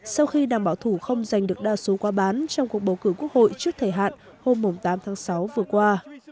sau khi đảng bảo thủ không giành được đa số quá bán trong cuộc bầu cử quốc hội trước thời hạn hôm tám tháng sáu vừa qua